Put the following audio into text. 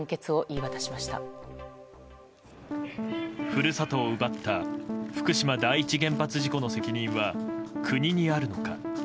故郷を奪った福島第一原発の責任は国にあるのか。